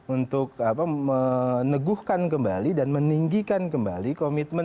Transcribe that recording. untuk meneguhkan kembali dan meninggikan kembali komitmen